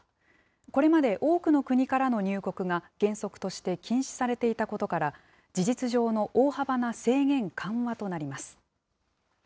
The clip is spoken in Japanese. これまで、多くの国からの入国が原則として禁止されていたことから、事実上の大幅な制限緩和となります。